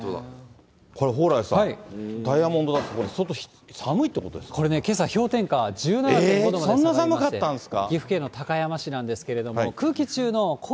これ、蓬莱さん、ダイヤモンドダスト、相当、これね、けさ氷点下１７．５そんな寒かったんですか。